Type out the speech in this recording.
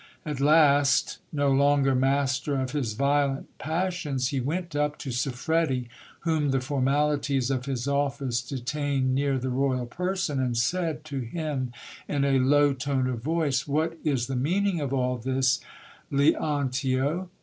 At last, no longer master of his violent passions, he went up to Siffredi, whom the formalities of his office detained near the royal person, and said to him in a low tone of voice — What is the meaning of all this, Leon tio